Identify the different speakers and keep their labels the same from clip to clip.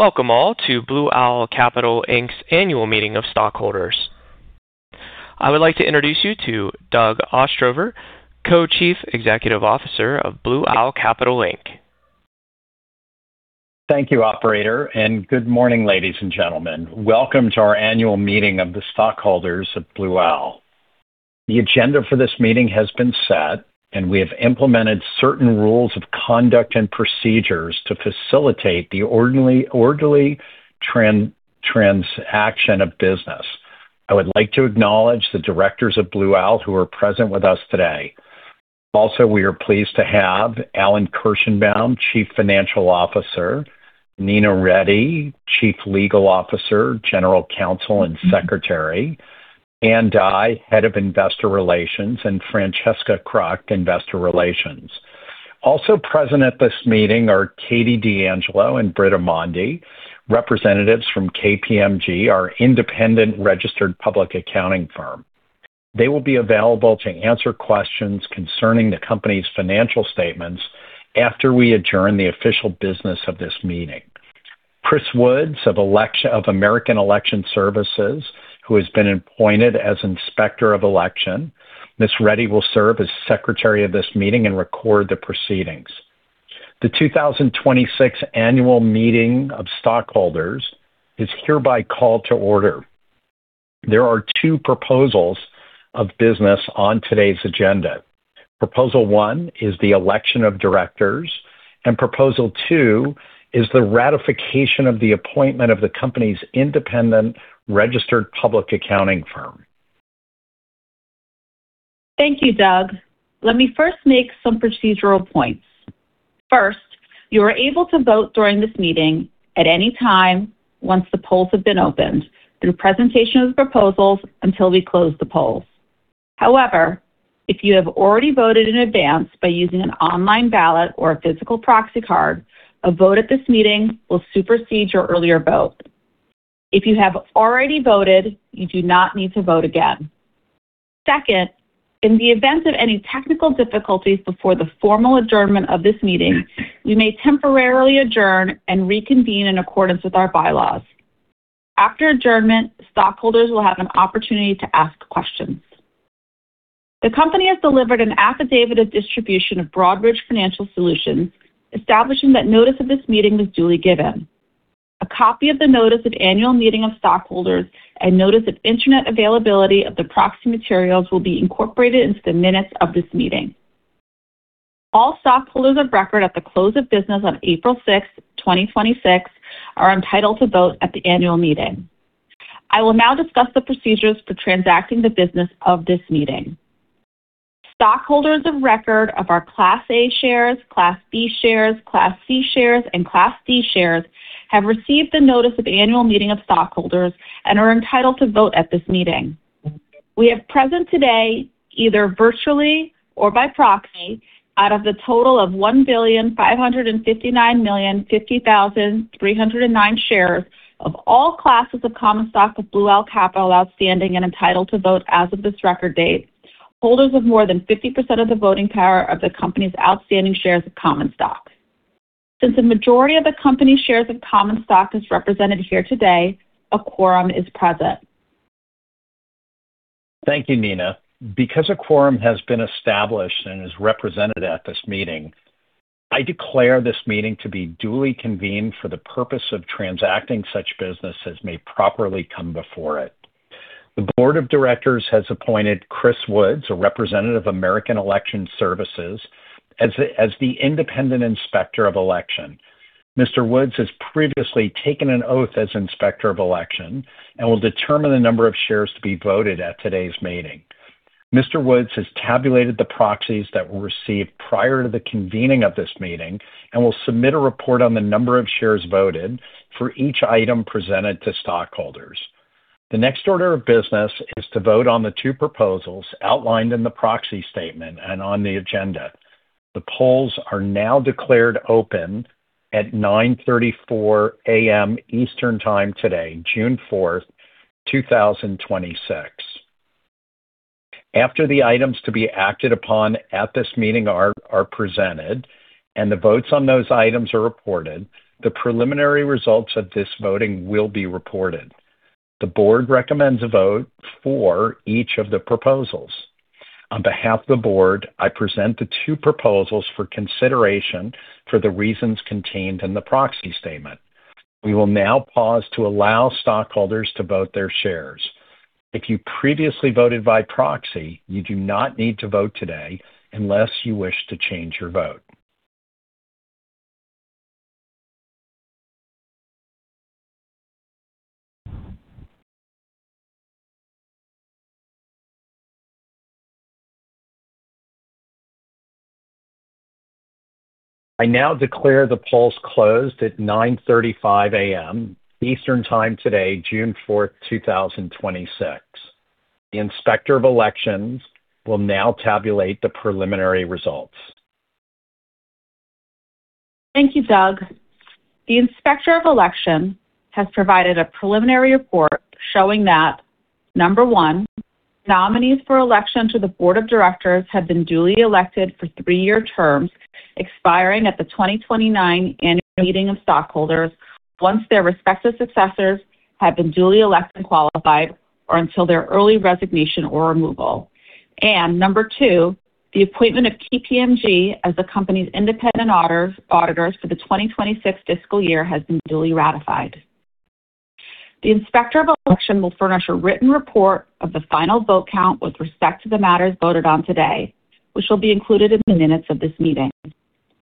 Speaker 1: Welcome all to Blue Owl Capital Inc.'s annual meeting of stockholders. I would like to introduce you to Doug Ostrover, Co-Chief Executive Officer of Blue Owl Capital Inc.
Speaker 2: Thank you, operator. Good morning, ladies and gentlemen. Welcome to our annual meeting of the stockholders of Blue Owl. The agenda for this meeting has been set. We have implemented certain rules of conduct and procedures to facilitate the orderly transaction of business. I would like to acknowledge the directors of Blue Owl who are present with us today. Also, we are pleased to have Alan Kirshenbaum, Chief Financial Officer, Neena Reddy, Chief Legal Officer, General Counsel, and Secretary, Ann Dai, Head of Investor Relations, and Francesca Kruk, Investor Relations. Also present at this meeting are Katie D'Angelo and Brit Mondi, representatives from KPMG, our independent registered public accounting firm. They will be available to answer questions concerning the company's financial statements after we adjourn the official business of this meeting. Chris Woods of American Election Services, who has been appointed as Inspector of Election. Ms. Reddy will serve as Secretary of this meeting and record the proceedings. The 2026 annual meeting of stockholders is hereby called to order. There are two proposals of business on today's agenda. Proposal one is the election of directors, and proposal two is the ratification of the appointment of the company's independent registered public accounting firm.
Speaker 3: Thank you, Doug. Let me first make some procedural points. First, you are able to vote during this meeting at any time once the polls have been opened through presentation of proposals until we close the polls. However, if you have already voted in advance by using an online ballot or a physical proxy card, a vote at this meeting will supersede your earlier vote. If you have already voted, you do not need to vote again. Second, in the event of any technical difficulties before the formal adjournment of this meeting, we may temporarily adjourn and reconvene in accordance with our bylaws. After adjournment, stockholders will have an opportunity to ask questions. The company has delivered an affidavit of distribution of Broadridge Financial Solutions establishing that notice of this meeting was duly given. A copy of the notice of annual meeting of stockholders and notice of internet availability of the proxy materials will be incorporated into the minutes of this meeting. All stockholders of record at the close of business on April sixth, 2026, are entitled to vote at the annual meeting. I will now discuss the procedures for transacting the business of this meeting. Stockholders of record of our Class A shares, Class B shares, Class C shares, and Class D shares have received the notice of annual meeting of stockholders and are entitled to vote at this meeting. We have present today, either virtually or by proxy, out of the total of 1,559,050,309 shares of all classes of common stock of Blue Owl Capital outstanding and entitled to vote as of this record date, holders of more than 50% of the voting power of the company's outstanding shares of common stock. Since the majority of the company's shares of common stock is represented here today, a quorum is present.
Speaker 2: Thank you, Neena. Because a quorum has been established and is represented at this meeting, I declare this meeting to be duly convened for the purpose of transacting such business as may properly come before it. The board of directors has appointed Chris Woods, a representative of American Election Services, as the independent Inspector of Election. Mr. Woods has previously taken an oath as Inspector of Election and will determine the number of shares to be voted at today's meeting. Mr. Woods has tabulated the proxies that were received prior to the convening of this meeting and will submit a report on the number of shares voted for each item presented to stockholders. The next order of business is to vote on the two proposals outlined in the proxy statement and on the agenda. The polls are now declared open at 9:34 A.M. Eastern Time today, June 4th, 2026. After the items to be acted upon at this meeting are presented and the votes on those items are reported, the preliminary results of this voting will be reported. The board recommends a vote for each of the proposals. On behalf of the board, I present the two proposals for consideration for the reasons contained in the proxy statement. We will now pause to allow stockholders to vote their shares. If you previously voted by proxy, you do not need to vote today unless you wish to change your vote. I now declare the polls closed at 9:35 A.M. Eastern Time today, June fourth, 2026. The Inspector of Election will now tabulate the preliminary results.
Speaker 3: Thank you, Doug. The Inspector of Election has provided a preliminary report showing that, number one, nominees for election to the board of directors have been duly elected for three-year terms expiring at the 2029 annual meeting of stockholders once their respective successors have been duly elected and qualified, or until their early resignation or removal. Number two, the appointment of KPMG as the company's independent auditors for the 2026 fiscal year has been duly ratified. The Inspector of Election will furnish a written report of the final vote count with respect to the matters voted on today, which will be included in the minutes of this meeting.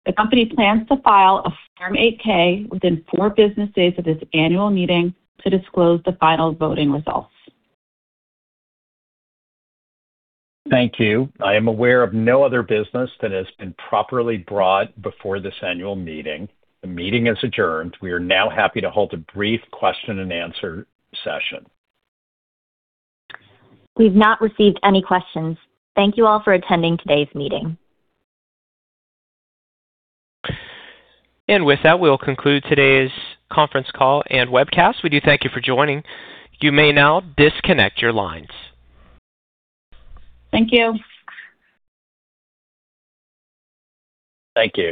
Speaker 3: The company plans to file a Form 8-K within four business days of this annual meeting to disclose the final voting results.
Speaker 2: Thank you. I am aware of no other business that has been properly brought before this annual meeting. The meeting is adjourned. We are now happy to hold a brief question and answer session.
Speaker 3: We've not received any questions. Thank you all for attending today's meeting.
Speaker 1: With that, we'll conclude today's conference call and webcast. We do thank you for joining. You may now disconnect your lines.
Speaker 3: Thank you.
Speaker 2: Thank you.